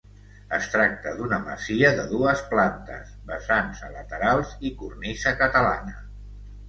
Es tracta d’una masia de dues plantes, vessants a laterals i cornisa catalana.